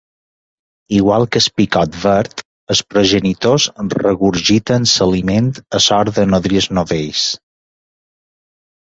Igual que el picot verd, els progenitors regurgiten l'aliment a l'hora de nodrir els novells.